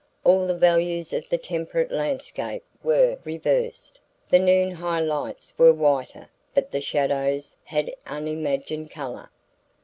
All the values of the temperate landscape were reversed: the noon high lights were whiter but the shadows had unimagined colour.